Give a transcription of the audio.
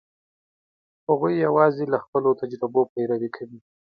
هغوی یواځې له خپلو تجربو پیروي کوي.